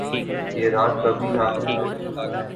یہ رات کبھی نہ گزرے